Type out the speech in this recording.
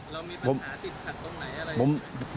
เรามีปัญหาติดขัดตรงไหนอะไรยังไง